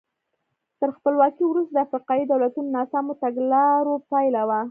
تر خپلواکۍ وروسته د افریقایي دولتونو ناسمو تګلارو پایله وه.